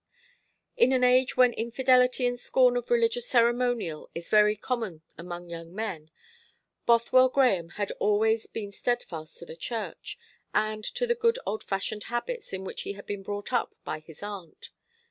In an age when infidelity and scorn of religious ceremonial is very common among young men, Bothwell Grahame had always been steadfast to the Church, and to the good old fashioned habits in which he had been brought up by his aunt.